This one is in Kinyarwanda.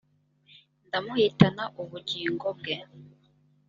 ndamuhitana ubugingo bwe